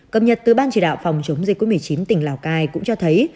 cập nhật từ ban chỉ đạo phòng chống dịch covid một mươi chín tỉnh lào cai cũng cho thấy